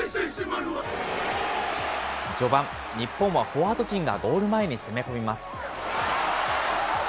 序盤、日本はフォワード陣がゴール前に攻め込みます。